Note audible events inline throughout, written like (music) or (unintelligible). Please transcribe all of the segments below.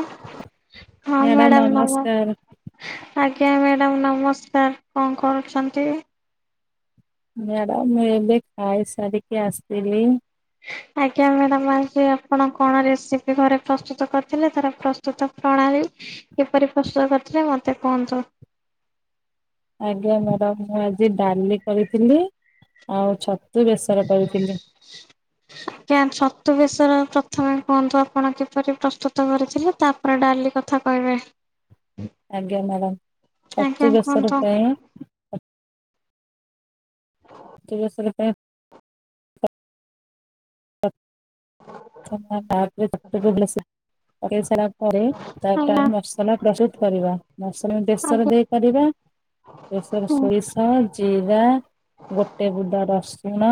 ଆ ହଁ madam madam ନମ ନମସ୍କାର ଆଜ୍ଞା ମ୍ୟାଡ଼ାମ୍ ନମସ୍କାର କଣ କରୁଛନ୍ତି? ମ୍ୟାଡ଼ାମ ଏବେ ଖାଇ ସାରିକି ଆସିଲି। (inaudible) ଆଜ୍ଞା ମ୍ୟାଡ଼ାମ୍ ଆଜି ଆପଣ କଣ ରେସିପି ଘରେ ପ୍ରସ୍ତୁତ କରିଥିଲେ ତାର ପ୍ରସ୍ତୁତ ପ୍ରଣାଳୀ କିପରି ପ୍ରସ୍ତୁତ କରିଥିଲେ ମତେ କୁହନ୍ତୁ? ଆଜ୍ଞା ମ୍ୟାଡାମ୍ ମୁଁ ଆଜି ଡାଲି କରିଥିଲି ଆଉ ଛତୁ ବେସର କରିଥିଲି। ଆଜ୍ଞା ଛତୁ ବେଶର ପ୍ରଥମେ କୁହନ୍ତୁ ଆପଣ କିପରି ପ୍ରସ୍ତୁତ କରିଥିଲେ ତା ପୁରା ଡାଲି କଥା କହୀବେ। ଆଜ୍ଞା ମ୍ୟାଡ଼ାମ ଛତୁ ବେସର କୁହନ୍ତୁ ପାଇଁ ହଉ। (unintelligible) ପାଇପ (inaudible) (unintelligible) ପକେଇସରିଲା ପରେ ତାପରେ ଆଜ୍ଞା ଆମେ ମସ ମସଲା ପ୍ରସ୍ତୁତ କରିବା ମସଲା ବେସର ଆଜ୍ଞା ଦେଇ ପାରିବା। ବେସର ହୁଁ ସୋରିଷ ଜିରା। ଗୋଟେ ବୁଦା ରସୁଣ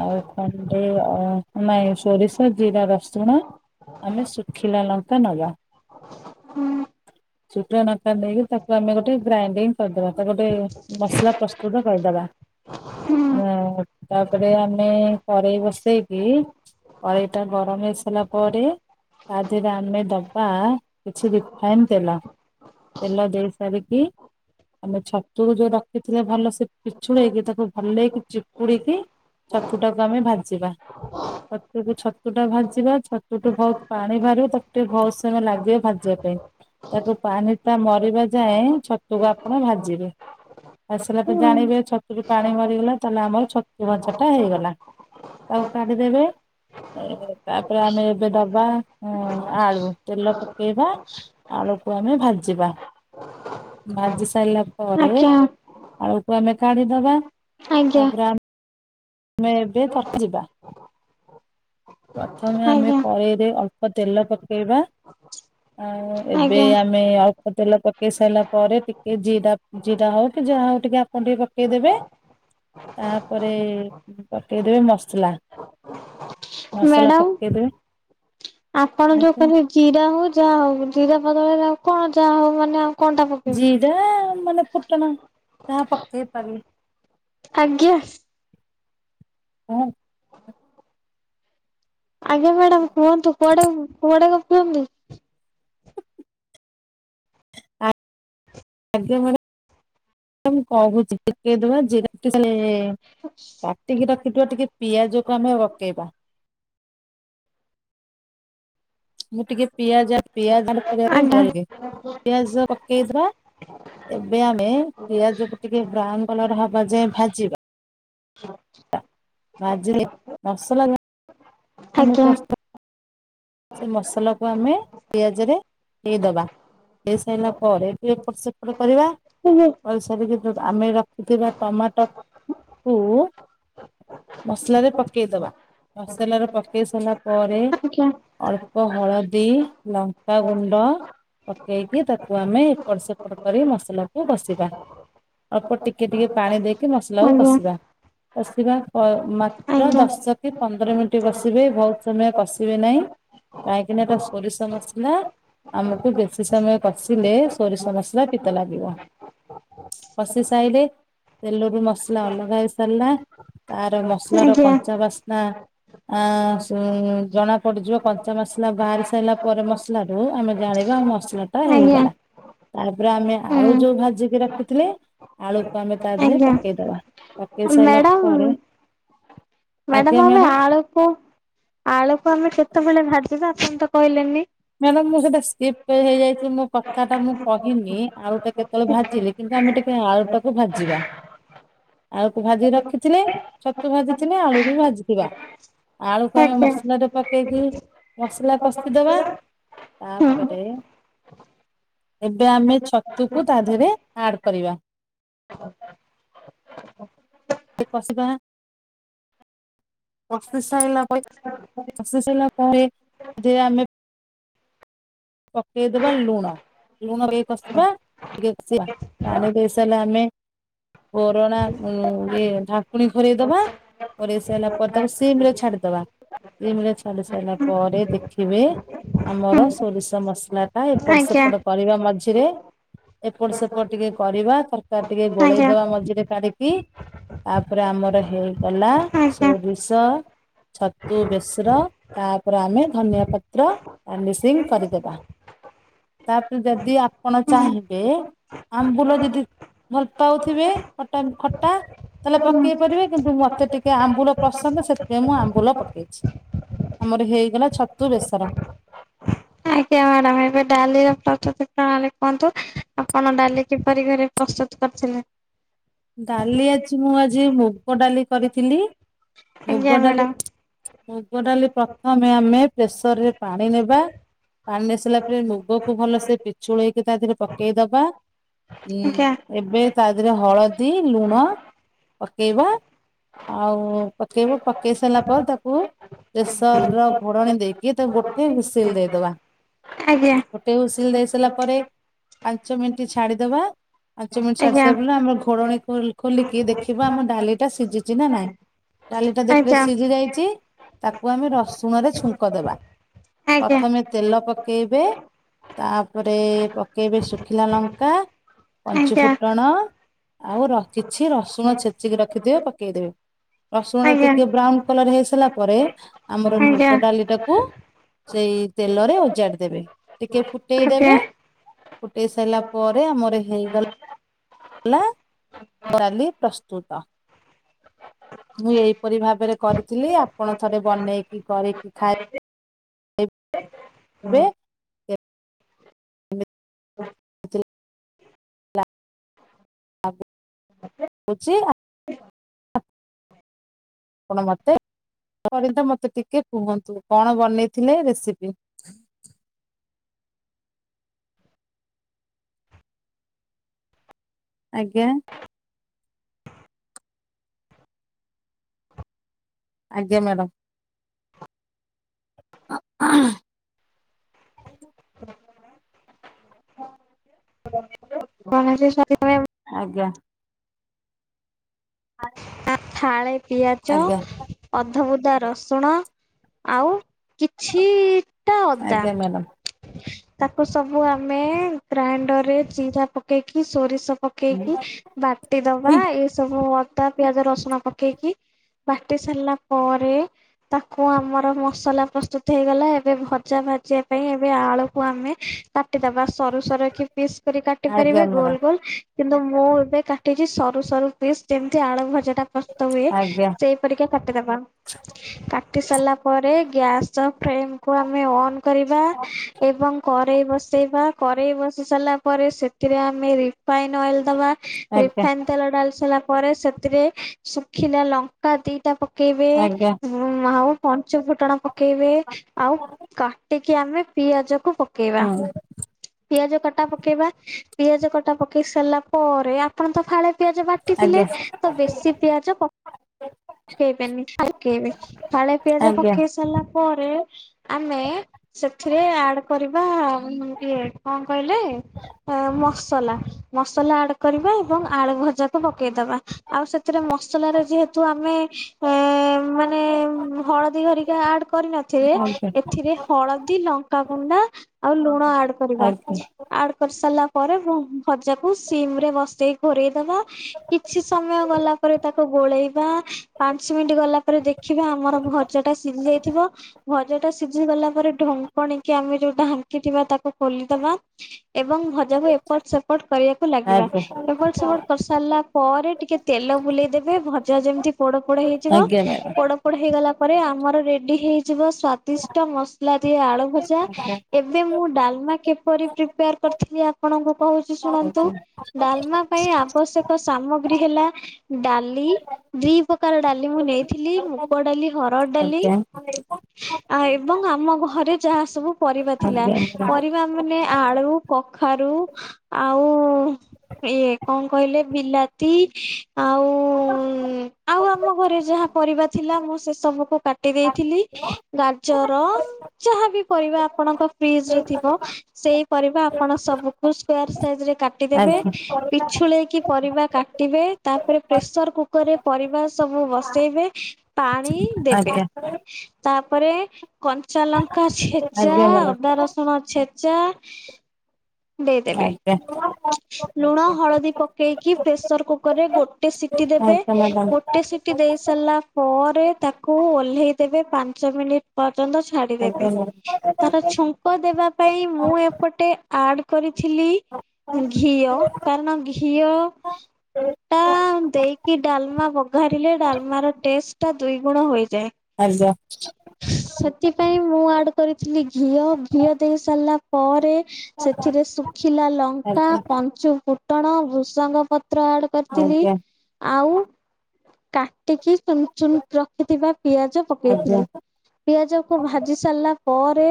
ଆଉ ଖଣ୍ଡେ ଅ ନାଇଁ ସୋରିଷ ତ ଜିରା, ରସୁଣ ଆମେ ଶୁଖିଲା ଲଙ୍କା ନବା। ହୁଁ। ଚୁଟା ନଙ୍କା ନେଇକି ତାକୁ ଆମେ ଗୋଟେ ଗ୍ରାଇଡିଙ୍ଗ କରିଦବା ତାକୁ ଗୋଟେ ମସଲା ପ୍ରସ୍ତୁତ କରିଦବା। ହଁ। ହ-ଅ-ଅ-ଅ ତାପରେ ଆମେ କରେଇ ବସେଇକି କରେଇ ଟା ଗରମ ହେଇସାରିଲା ପରେ ତାଦେହରେ ଆମେ ଦବା କିଛି ରିଫାଇନ୍ ତେଲ। ତେଲ ଦେଇ ସାରିକି ଆମେ ଛତୁକୁ ଯୋଉ ରଖିଥିଲେ ଭଲ ସେ ପିଛୁଳେଇକି ତାକୁ ଭଲେଇକି ଚିପୁଡ଼ିକି ଛତୁ ଟାକୁ ଆମେ ଭାଜିବା। ତା ଛତୁ ଟା ଭାଜିବା ଛତୁ ଟୁ ବୋହୁତ ପାଣି ବାହାରିବ ତାକୁ ଟିକେ ବୋହୁତ ସମୟ ଲାଗିବ ଭାଜିବା ପାଇଁ। ତାକୁ ପାାନି ଟା ମରିବା ଯାଏଁ ଛତୁକୁ ଆପଣ ଭାଜିବେ। ଆସିଲା ପେ ହୁଁ ଜାଣିବେ ଛତୁରୁ ପାଣି ମରିଗଲା ତାହେଲେ ଆମର ଛତୁ ଭଜା ଟା ହେଇଗଲା। ତାକୁ କାଢି ଦେବେ। ଏ ତାପରେ ଆମେ ଏବେ ଦବା ଆଳୁ। ତେଲ ପକେଇବା। ଆଳୁକୁ ଆମେ ଭାଜିବା ଭାଜି ସାଇଲା। ପରେ ଆଜ୍ଞା ଆଳକୁ ଆମେ କାଢିଦବା। ଆଜ୍ଞା। ତାପରେ ଆମେ ଏବେ (unintelligible) ଯିବା। ପ୍ରଥମେ ଆମେ ଆଜ୍ଞା କରେଇରେ ଅଳ୍ପ ତେଲ ପକେଇବା। ଆ ଏବେ ଆଜ୍ଞା ଆମେ ଅ। ତେଲ ପକେଇ ସାରିଲା ପରେ ଟିକେ ଜିରା ଜିରା ହଉ କି ଯାହା ହଉ ଟିକେ ଆପଣ ଟିକେ ପକେଇଦେବେ। ତାପରେ ପକେଇଦେବେ ମସଲା। ମସଲା ପକେଇଦେବେ ମ୍ୟାଡାମ ଆପଣ ଯୋଉ ଆଜ୍ଞା କଲେନି। ଜିରା ହଉ ଯାହା ହଉ ଜିରା ବଦଳରେ ଆଉ କଣ ଯାହା ହଉ ମାନେ ଆଉ। କଣଟା ପକେଇବେ? ଜିରା ମାନେ ଫୁଟଣ ଯାହା ପକେଇ ପାରିବେ। ଆଜ୍ଞା। ହୁଁ। ଆଜ୍ଞା ମ୍ୟାଡାାମ କୁହନ୍ତୁ କୁଆଡେ କୁଆଡେ ଗପୁଅନ୍ତି। ଆଜ୍ଞା ମାଡ଼ାମ୍ ମୁଁ କଣ କହୁଚି (unintelligible) ଟିକେ ରୁହ ଜିରା ପକେଇସାଇଲେ କାଟିକି ରଖିଥିବା ଟିକେ ପିଆଜକୁ ଆମେ ଅକେଇବା। ମୁଁ ଟିକେ ପିଆଜ ପିଆଜଡେ ଆଜ୍ଞା (unintelligible) ପିଆଜ ପକେଇଦବା। ଏବେ ଆମେ ପିଆଜକୁ ଟିକେ ବ୍ରାଉନ କଲର ହବା ଯାଏ ଭାଜିବା। (inaudible) ଭାଜିଲେ ମସଲା। ଆମ ଆଜ୍ଞା ପ୍ରସ୍ତା ସେ ମସଲାକୁ ଆମେ ପିଆଜରେ ଦେଇଦେବା। ହେଇସାରିଲା ପରେ ବି ଏପଟ ସେପଟ କରିବା। ଆଜ୍ଞା କରିସାରିକି ଆମେ ରଖିଥିବା ଟମାଟୋ କୁ। ମସଲାରେ ପକେଇଦବା ମସଲାରେ ପକେଇ ସାରିଲା ପରେ। ଆଜ୍ଞା ଆଜ୍ଞା ଅଳ୍ପ ହଳଦୀ ଲଙ୍କାଗୁଣ୍ଡ। ପକେଇକି ତାକୁ ଆମେ ଏପଟ ସେପଟ କରି ମସଲାକୁ ବସିବା। ଅଳ୍ପ ଟିକେ ଟିକେ ପାଣି ଦେଇକି ମସଲାକୁ କଷିବା କଷିବା ମା ର ଆଜ୍ଞା ଦଶ କି ପନ୍ଦର ମିନିଟ୍ କସିବେ ବହୁତ ସମୟ କଷିବେ ନାହିଁ। କାହିଁକିନା ଏଟା ସୋରିଷ ମସଲା। ଆମକୁ ବେଶୀ ସମୟ କଷିଲେ ସୋରିଷ ମସଲା ପିତା ଲାଗିବ। କଷି ସାଇଲେ ତେଲରୁ ମସଲା ଅଲଗା ହେଇସାରିଲା ତାର ମସଲା ର ଆଜ୍ଞା ହୁଁ କଞ୍ଚା ବାସ୍ନା ଜଣା ପଡିଯିବ କନ କଚା ବାସ୍ନା ବାହାରି ସାରିଲା ପରେ ମସଲା ରୁ ଆମେ ଜାଣିବା ମସଲା ଟା ହେଇଗଲା। ତାପରେ ଆମେ ଆଳୁ ଯୋଉ ଭାଜିକି ରଖିଥିଲେ ଆଳୁକୁ ଆମେ ତା ଧିଅରେ ଆଜ୍ଞା ପକେଇଦବା। ପକେଇସାରିଲା ପରେ। ମ୍ୟାଡ଼ାମ ଆଜ୍ଞା ଆମେ ମ୍ୟାଡାମ ଆଳୁକୁ ଆଳୁକୁ ଆମେ କେତେବେଳେ ଭାଜିବା ଆପଣ ତ କହିଲେନି। ମ୍ୟାଡାମ ମୁଁ ସେଇଟା ସ୍କିପ୍ ହେଇଯାଇଚି ମୋ କଥା ଟା ମୁଁ କହିନି। ଆଳୁ ଟା କେତେବେଳେ ଭାଜିଲି। କିନ୍ତୁ ଆମେ ଟିକେ ଆଳୁ ଟାକୁ ଭାଜିବା। ଆଳୁକୁ ଭାଜିିକି ରଖିଥିଲେ ଛତୁ ଭାଜିଥିଲେ ଆଳୁରୁ ବି ଭାଜିଥିବା। ଆଳୁକୁ ଆମେ ଆଜ୍ଞା ମସଲା ରେ ପକେଇକି ମସଲା କଷିଦବା। ହୁଁ ତାପରେ ଏବେ ଆମେ ଛତୁକୁ ତା ଧିଅରେ ଆଡ କରିବା। କସିବା। କଷି ସାରିଲା ପରେ କଷି ସାରିଲା ପରେ ସେଥିରେ ଆମେ ପକେଇ ଦବା ଲୁଣ। ଲୁଣଦେଇ କଷିବା ଟିକେ କସିବା ପାଣି ଦେଇ ସାରିଲେ ଆମେ କୋରଣା ଏ ଢାକୁଣୀ ଘୋରେଇଦବା। ଘୋରେଇ ସାରିଲା ପରେ ତାକୁ ସିମରେ ଛାଡିଦବା। ସିମ୍ରେ ଛାଡି ସାରିଲା ପରେ ଦେଖିବେ ଆମର ହୁଁ ସୋରିଷ ମସଲା ଟା ଏପଟ ଆଜ୍ଞା ସେପଟ କରିବା ମଝିରେ। ଏପଟ ସେପଟ ଟିକେ କରିବା ତରକାରୀ ଟିକେ ଆଜ୍ଞା ଗୋଳେଇଦବା ମଝିରେ କାଢିକି। ତାପରେ ଆମର ହେଇଗଲା ଆଜ୍ଞା ସୋରିଷ ଛତୁ ବେସ୍ର ତାପରେ ଆମେ ଧନିଆ ପତ୍ର ଗର୍ଣିଶିଂ କରିଦେବା ତାପରେ ଯଦି ଆପଣ ଚାହିଁବେ ଆମ୍ବୁଲ ଯଦି ଭଲ ପାଉଥିବେ ଖଟା ଖଟା। ତାହେଲେ ହୁଁ ପକେଇ ପାରିବେ କିନ୍ତୁ ମତେ ଟିକେ ଆମ୍ବୁଲ ପସନ୍ଦ ସେଥିପାଇଁ ମୁଁ ଆମ୍ବୁଲ ପକେଇଛି। ଆମର ହେଇଗଲା ଛତୁ ବେସର। ଆଜ୍ଞା ମ୍ୟାଡ଼ାମ। ଏବେ ଡାଲିର ପ୍ରସ୍ତୁତି ପ୍ରଣାଳୀ କୁହନ୍ତୁ ଆପଣ ଡାଲି କିପରି ଘରେ ପ୍ରସ୍ତୁତ କରିଥିଲେ। ଡାଲି ଆଜି ମୁଁ ଆଜି ମୁଗ ଡାଲି କରିଥିଲି ଆଜ୍ଞା ମୁଗ ଡାଲି। ମ୍ୟାଡ଼ାମ ମୁଗ ଡାଲି ପ୍ରଥମେ ଆମେ ପ୍ରେସରରେ ପାଣି ନେବା। ପାଣି ଆସାରିଲା ପରେ ମୁଗକୁ ଭଲସେ ପିଛୁଳେଇକି ତା ଦେହରେ ପକେଇଦବା। ଆଜ୍ଞା ହୁଁ ଏବେ ତା ଦେିହରେ ହଳଦୀ ଲୁଣ ପକେଇବା। ଆଉ ପକେଇବୁ ପକେଇ ସାରିଲା ପରେ ତାକୁ ପେସର ର ଘୋଡ଼ଣୀ ଦେଇକି ତ ଗୋଟେ ହୁସିଲ ଦେଇଦବା। ଆଜ୍ଞା ଗୋଟେ ହୁସିଲ ଦେଇ ସାରିଲା ପରେ, ପାଞ୍ଚ ମିନିଟ୍ ଛାଡିଦବା ପାଞ୍ଚ ମିନିଟ୍ ଛାଡି ଆଜ୍ଞା ସାରା ପରେ ଆମ ଖୋଡଣୀ ଖୋଲ୍ ଖୋଲିକି ଦେଖିବା ଆମ ଡାଲି ଟା ସିଜିଚି ନା ନାଇଁ। ଡାଲିଟା ଦେଖିବେ ଆଜ୍ଞା। ସିଝି ଯାଇଚି ତାକୁ ଆମେ ରସୁଣରେ ଛୁଙ୍କ ଦେବା। ଆଜ୍ଞା ପ୍ରଥମେ ତେଲ ପକେଇବେ। ତାପରେ ପକେଇବେ ଶୁଖିଲା ଲଙ୍କା ପଞ୍ଚୁ ଆଜ୍ଞା ଫୁଟଣ ଆଉ ର ଖିଛି ରସୁଣ ଛେଚିକି ରଖିଥିବେ ପକେଇଦେବେ। ରସୁଣରା ଆଜ୍ଞା ଟିକେ ବ୍ରାଉନ କଲର ହେଇସାରିଲା ପରେ ଆମର ଆଜ୍ଞା। ମୁଗ ଡାଲି ଟାକୁ ସେଇ ତେଲରେ ଓଜାଡିଦେବେ ଟିକେ ଫୁ ଫୁଟେଇ ଆଜ୍ଞା ଦେବେ ଫୁଟେଇ ସାଇଲା ପରେ ଆମର ହେଇଗ ଲା ଡାଲି ପ୍ରସ୍ତୁତ। ମୁଁ ଏହିପରି ଭାବରେ କରିଥିଲି ଆପଣ ଥରେ ବନେଇକି କରିକି ଖାଇ ବେ ଏଥିରେ ହଉଚି ଆ ଆପଣ ମତେ (unintelligible) ମତେ ଟିକେ କୁହନ୍ତୁ। କଣ ବନେଇଥିଲେ ରେସିପି? ଆଜ୍ଞା। ଆଜ୍ଞା ମ୍ୟାଡ଼ାମ୍। (unintelligible) ମ୍ୟାମ୍। ଆଜ୍ଞା। ଆ ଥାଳେ ପିଆଜ ଅଧବୁଦା ରସୁଣ ଆଉ କିଛିଟା ଅଦା। ଆଜ୍ଞା ମ୍ୟାଡ଼ାମ। ତାକୁ ସବୁ ଆମେ ଗ୍ରାଇଣ୍ଡର ରେ ଜିରା ପକେଇକି ସୋରିଷ ପ ପକେଇକି ବାଟି ଦବା ହୁଁ ଏ ସବୁ ଅଦା ପିଆଜ ରସୁଣ ପକେଇକି। ବାଟି ସାରିଲା ପରେ ତାକୁ ଆମର ମସଲା ପ୍ରସ୍ତୁତ ହେଇଗଲା ଏବେ ଭଜା ଭାଜିବା ପାଇଁ ଏବେ ଆଳୁକୁ ଆମେ କାଟିଦବା ସରୁ ସରୁ କି ପିସ୍ କରି କାଟି ଆଜ୍ଞା ପାରିବେ ମ୍ୟାଡ଼ାମ ଗୋଲ ଗୋଲ। କିନ୍ତୁ ମୁଁ ଏବେ କାଟିଛି ସରୁ ସରୁ ପିସ୍ ଯେମିତି ଆଳୁ ଭଜା ଟା ପ୍ରସ୍ତୁତ ହୁଏ ଆଜ୍ଞା ସେ ପରିକା କାଟିଦବା କାଟି ସାରିଲା ପରେ ଗ୍ୟାସ୍ଅ ଫ୍ରେମ୍ କୁ ଆମେ ଅନ୍ କରିବା ଏବଂ କରେଇ ବସେଇବା କରେଇ ବସି ସାରିଲା ପରେ ସେଥିରେ ଆମେ ରି ଫାଇନ ଅଏଲ ଦବା ଆଜ୍ଞା ରିଫାଇନ ତେଲ ଡାଳି ସାଇଲା ପରେ ସେତିରେ ଶୁଖିଲା ଲଙ୍କା ଦିଟା ପକେଇବେ ଆଜ୍ଞା। ଉଁ ଆଉ ପଞ୍ଚ ଫୁଟଣ ପକେଇବେ ଆଉ କାଟିକି ଆମେ ପିଆଜ କୁ ପ କେବା ହୁଁ ପିଆଜ କଟା ପକେଇବା ପିଆଜ କଟା ପକେଇ ସାରିଲା ପରେ ଆପଣ ତ ଫାଳେ ପିଆଜ ବାଟିଥିଲେ ଆଜ୍ଞା ତ ବେଶୀ ପିଆଜ ପ ପକେଇବେନି ଫାଳେ ପକେଇବେ ଫାଳେ ପିଆଜ ଆଜ୍ଞା ପକେଇ ସାରିଲା ପରେ ଆମେ ସେଥିରେ ଆଡ କରିବା ଇଏ କଣ କହିଲେ? ଏ ମସଲା ମସଲା ଆଡ କରିବା ଏବଂ ଆଳୁ ଭଜାକୁ ପକେଇଦବା। ଆଉ ସେତିରେ ମସଲା ର ଯେହେ ତୁମେ ଏ ମାନେ ଉଁ ହଳଦୀ ହେରିକା ଆଡ କରିନଥିବେ। ଏଥିରେ ହଳଦୀ, ଲଙ୍କା କୁଣ୍ଡା ଆଉ ଲୁଣ ଆଡ କରିବା। ଆଡ କରି ସାରିଲା ପରେ ବମ୍ ଭଜାକୁ ସିମ୍ ରେ ବସେଇ ଘୋରେଇ ଦବା। କିଛି ସମୟ ଗଲା ପରେ ତାକୁ ଗୋଳେଇ ବା ପାଞ୍ଚ ମିଣ୍ଟି ଗଲା ପରେ ଦେଖିବା ଆମର ଭଜା ଟା ସିଜି ଯାଇଥିବ ଭ ଜା ଟା ସିଝି ଗଲା ପରେ ଢଙ୍କଣିକି ଆମେ ଯୋଉ ଢାଙ୍କି ଥିବା ତାକୁ ଖୋଲିଦବା ଏବଂ ଭ ଜାକୁ ଏପଟ ସେପଟ କରିବାକୁ ଲାଗିବା। ଆଜ୍ଞା ଆଜ୍ଞା ଏପଟ୍ ସେପଟ କରିସାରିଲା ପରେ ଟିକେ ତେଲ ବୁଲେଇଦେବେ ଭ ଯେମତି ପୋଡ ପୋଡ ହେଇଯିବ ଆଜ୍ଞା ଆଜ୍ଞା ପୋଡ ପୋଡ ହେଇଗଲା ପରେ ଆମର ରେଡି ହେଇଯିବ ସ୍ଵା ଦିଷ୍ଟ ମସଲା ଦିଆ ଆଳୁ ଭଜା, ମ୍ୟାଡ଼ାମ। ଏବେ ମୁଁ ଡାଲମା କିପରିି ପ୍ରିପେଆର କର୍ ରିଥିଲି ଆପଣଙ୍କୁ କହୁଛି ଶୁଣନ୍ତୁ। ଡାଲମା ପାଇଁ ଆବଶ୍ୟକ ସାମଗ୍ରୀ ହେଲା ଡାଲି, ଦି ପ୍ରକାର ଡାଲି ମୁଁ ନେଇ ଥିଲି ମୁଗ ଡାଲି, ହରଡ଼ ଡାଲି। ଆଉ ଏବଂ ଆମ ଘରେ ଯାହା ସବୁ ପରିବା ଆଜ୍ଞା ଆଜ୍ଞା ଆଜ୍ଞା ଆଜ୍ଞା ଆଜ୍ଞା। ଆଜ୍ଞା ଆଜ୍ଞା ମ୍ୟାଡ଼ାମ ଆଜ୍ଞା ଆଜ୍ଞା ଥିଲା। ମ୍ୟାଡ଼ାମ। ପରିବା ମାନେ ଆଳୁ, କଖାରୁ ଆଉ ଇଏ କଣ କହିଲେ ବିଲାତି ଆଉ ଆଉ ଆମ ଘରେ ଯାହା ପରିବା ଥିଲା ମୁଁ ସେ ସବୁକୁ କାଟି ଦେଇଥିଲି। ଗାଜ ର ଯାହାବି ପରିବା ଆପଣଙ୍କ ଫ୍ରିଜରେ ଥିବ। ସେଇ ପରିବା ଆପଣ ସବୁକୁ ସ୍କୋୟାର ସାଇଜରେ କାଟିଦେବେ। ଆଜ୍ଞା ମ୍ୟାଡ଼ାମ ପିଛୁଳେଇକି ପରିବା କାଟିବେ। ତା ପରେ ପ୍ରେସର କୁକରରେ ପରିବା ସବୁ ବସେଇବେ। ପା ଣି ଦେବେ। ଆଜ୍ଞା ଆଜ୍ଞା ତା ପରେ କନ୍ ଞ୍ଚାଲଙ୍କା ଛେଚା, ଅଦା ରସୁଣ ଛେଚା ଦେଇଦେବେ। ଆଜ୍ଞା। ଲୁଣ, ହଳଦୀ ପକେଇକି ପ୍ରେସର କୁକରରେ ଗୋଟେ ସିଟି ଦେବେ। ଗୋ ଟେ ସିଟି ଦେଇ ସାରିଲା ପରେ ତାକୁ ଓହ୍ଲେଇ ଦେବେ। ପାଞ୍ଚ ମିନିଟ୍ ପର୍ଯ୍ୟନ୍ତ ଛାଡିଦେବେ। ତାର ଛୁଙ୍କ ଦେବା ପାଇଁ ମୁଁ ଏପଟେ ଆଡ୍ କରିଥିଲି ଘିଅ କାରଣ ଘିଅ ଟା ଦେଇକି ଡାଲମା ବଘାରିଲେ ଡାଲମାର ଟେଷ୍ଟ ଟା ଦୁଇ ଗୁଣ ହୋଇଯାଏ। ଆଜ୍ଞା। ସେଥିପାଇଁ ମୁଁ ଆଡ୍ କରିଥିଲି ଘିଅ। ଘିଅ ଦେଇ ସାରିଲା ପରେ ସେଥିରେ ଶୁଖିଲା ଲଙ୍କା, ପଞ୍ଚୁ ଫୁଟଣ, ଭୃଷଙ୍ଗ ପତ୍ର ଆଡ଼୍ କରିଥିଲି ଆଉ କାଟିକି ଚୁନ୍ ଚୁନ୍ ରଖିଥିବା ପିଆଜ ଆଜ୍ଞା ପକେଇଥିଲି। ପିଆଜକୁ ଭାଜି ସାରିଲା ପରେ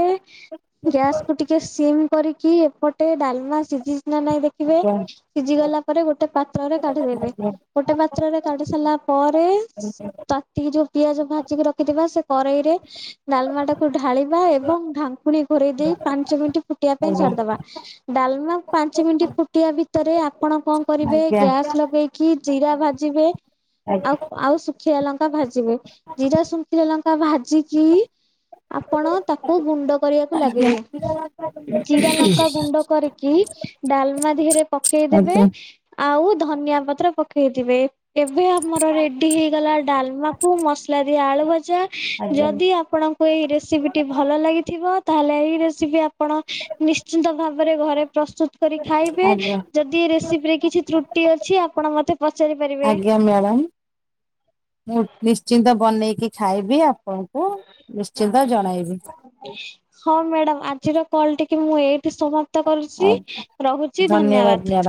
ଗ୍ୟାସକୁ ଟିକେ ସିମ୍ କରି କି ଏପଟେ ଡାଲମା ସିଝିଚି କି ନା ନାଇଁ ଦେଖ୍ ଖିବେ। ଆଜ୍ଞା ସିଝି ଗଲା ପରେ ଗୋଟେ ପାତ୍ରରେ କାଢିଦେବେ। ଆଜ୍ଞା ଗୋଟେ ପାତ୍ରରେ କାଢି ସାରିଲା ପରେ (inaudible) ତାତିକି ଯୋଉ ପିଆଜ ଭାଜିକି ରଖିଥିବା ସେ କରେଇରେ ଡାଲମାଟାକୁ ଢାଳିବା ଏବଂ ଢାଙ୍କୁଣୀ ଘୋରେଇ ଦେଇ ପାଞ୍ଚ ମିନିଟ୍ ଫୁଟିଆ ବା। ଡାଲମା ପାଞ୍ଚ ମିନିଟ୍ ଫୁଟିଆ ଭିତରେ ଆପଣ କଣ କରିବେ ଆଜ୍ଞା ଗ୍ୟାସ୍ ଲଗେଇ କି ଜିରା ଭାଜିବେ। ଆଉ ଆଜ୍ଞା ଆଉ ଶୁ ଖିଲା ଲଙ୍କା ଭାଜିବେ। ଜିରା ଶୁଙ୍ଖିଲା ଲଙ୍କା ଭାଜି କି ଆପଣ ତାକୁ ଗୁଣ୍ଡ କରିବାକୁ ଲାଗିବେ। ଜିରା ଲଙ୍କା ଗୁଣ୍ଡ କରିକି ଡାଲମା ଦିହେରେ ଆଜ୍ଞା ପକେଇଦେବେ। ଆଜ୍ଞା ଆଉ ଧନିଆ ପତ୍ର ପକେଇଦେବେ। ଏବେ ଆମର ରେଡି ହେଇଗଲା ଡାଲମାକୁ ମସଲା ଦିଆ ଆଳୁ ଭଜା। ଆଜ୍ଞା ଯଦି ଆପଣଙ୍କୁ ଏଇ ରେସିପିଟି ଭଲ ଲାଗିଥିବ ତାହେଲେ ଏଇ ରେସିପି ଆପଣ ନିଶ୍ଚିନ୍ତ ଭାବରେ ଘରେ ପ୍ରସ୍ତୁତ କରି ଖାଇବେ ଆଜ୍ଞା ଯଦ୍ ଦି ଏ ରେସିପିରେ କିଛି ତ୍ରୁଟି ଅଛି ଆପଣ ମତେ ପଚାରି ପାରି ଆଜ୍ଞା ମ୍ୟାଡ଼ାମ। ମୁଁ ନିଶ୍ଚିନ୍ତ ବନେଇକି ଖାଇବି। ଆପଣଙ୍କୁ ନିଶ୍ଚିନ୍ତ ଜଣାଇବି। ହଁ ମ୍ୟାଡାମ ଆଜିର କଲ ଟିକି ମୁଁ ଏଇଠି ସମାପ୍ ତ କରୁଛି। ରହୁଛି ଧନ୍ୟବାଦ।